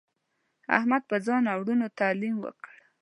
احمد په ځان او ورونو تعلیم وکړ.